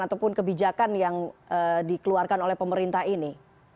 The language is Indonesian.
ataupun kebijakan yang dikeluarkan oleh pemerintah ini